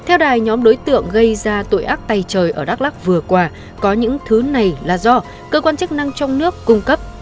theo đài nhóm đối tượng gây ra tội ác tay trời ở đắk lắk vừa qua có những thứ này là do cơ quan chức năng trong nước cung cấp